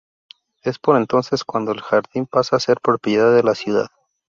Es por entonces cuando el jardín pasa a ser propiedad de la ciudad.